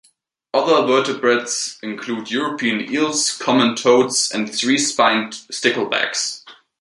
Other vertebrates include European eels, common toads and three-spined sticklebacks.